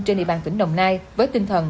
trên địa bàn tỉnh đồng nai với tinh thần